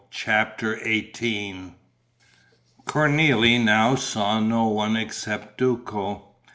CHAPTER XVIII Cornélie now saw no one except Duco.